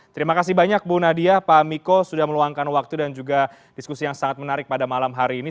terima kasih banyak bu nadia pak miko sudah meluangkan waktu dan juga diskusi yang sangat menarik pada malam hari ini